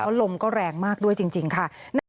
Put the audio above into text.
ลมก็แรงมากด้วยจริงค่ะ